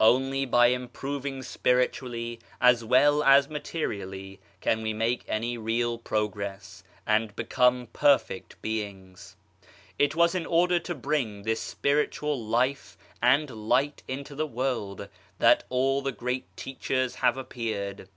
Only by improving spiritually as well as materially can we make any real progress, and become perfect beings. It was in order to bring this Spiritual Life and Light into the world that all the great Teachers have appeared.